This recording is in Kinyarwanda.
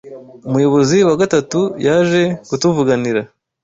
umuyobozi wa gatatu yaje kutuvuganira